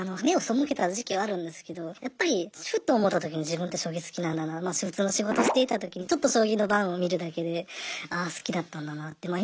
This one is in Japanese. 目を背けた時期はあるんですけどやっぱりふと思った時に自分って将棋好きなんだな普通の仕事をしていた時にちょっと将棋の盤を見るだけでああ好きだったんだなって。